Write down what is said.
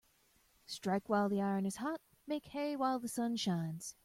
Strike while the iron is hot Make hay while the sun shines.